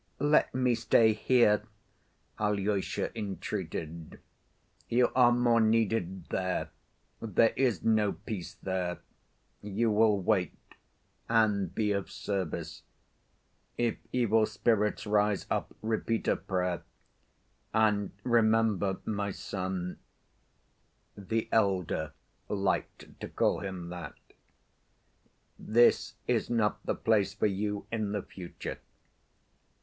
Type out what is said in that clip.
"Let me stay here," Alyosha entreated. "You are more needed there. There is no peace there. You will wait, and be of service. If evil spirits rise up, repeat a prayer. And remember, my son"—the elder liked to call him that—"this is not the place for you in the future.